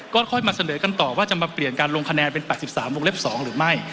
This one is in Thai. ก็ค่อยมาเสนอกันต่อว่าจะมาเปลี่ยนการลงคะแนนเป็น๘๓วงเล็บ๒หรือไม่